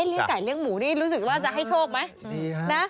เลี้ยงไก่เลี้ยงหมูรู้สึกว่าจะให้โชคไหม